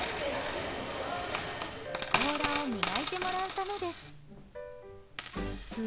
甲羅を磨いてもらうためです。